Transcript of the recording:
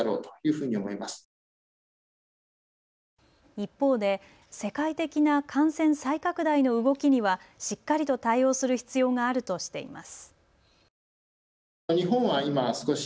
一方で世界的な感染再拡大の動きには、しっかりと対応する必要があるとしています。